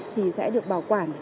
thì sẽ được bảo quản